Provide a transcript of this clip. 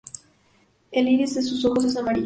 El iris de sus ojos es amarillo.